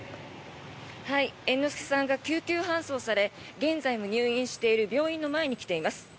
猿之助さんが救急搬送され現在も入院している病院の前に来ています。